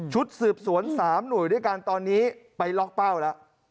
ชุดสืบสวน๓หน่วยด้วยกันตอนนี้ไปล็อกเป้าแล้ว